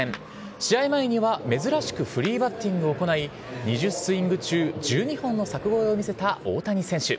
試合前には珍しくフリーバッティングを行い２０スイング中１２本の柵越えを見せた大谷選手。